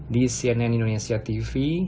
di cnn indonesia tv